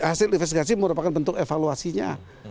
hasil investigasi merupakan bentuk evaluasinya